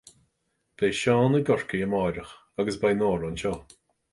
beidh Seán i gCorcaigh amárach, agus beidh Nóra anseo